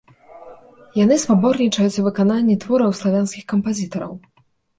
Яны спаборнічаюць у выкананні твораў славянскіх кампазітараў.